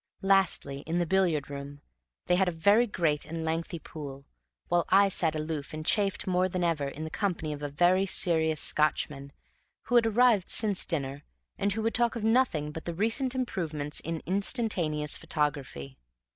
Lastly, in the billiard room, they had a great and lengthy pool, while I sat aloof and chafed more than ever in the company of a very serious Scotchman, who had arrived since dinner, and who would talk of nothing but the recent improvements in instantaneous photography.